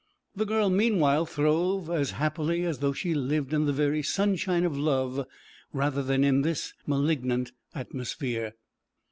The girl meanwhile throve as happily as though she lived in the very sunshine of love rather than in this malignant atmosphere.